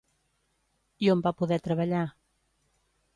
I on va poder treballar?